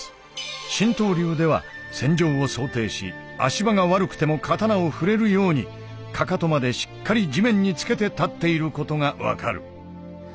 神道流では戦場を想定し足場が悪くても刀を振れるようにかかとまでしっかり地面につけて立っていることが分かる。